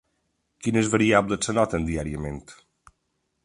Quines variables s'anoten diàriament?